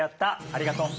ありがとう。